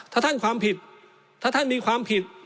ถ้าท่านความผิดถ้าท่านมีความผิด